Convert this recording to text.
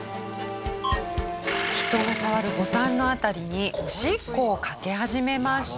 人が触るボタンの辺りにおしっこをかけ始めました。